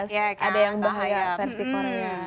iya ada yang bahaya versi korea